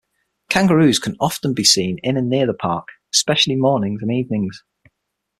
Kangaroos can often be seen in and near the park, especially mornings and evenings.